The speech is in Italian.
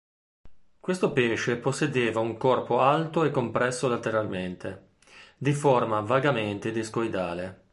Questo pesce possedeva un corpo alto e compresso lateralmente, di forma vagamente discoidale.